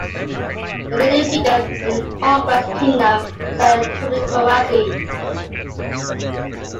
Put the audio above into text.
The leading figure in the Congress Kingdom was Antoni Corrazzi.